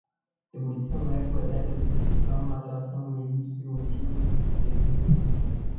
ebulição, eco, elétrons, repulsões, atrações, elipse, oblíquo, geratrizes, empuxo